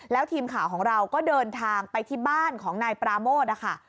แล้วทีมข่าวของเราก็เดินทางไปที่บ้านของนายปราโมทนะคะ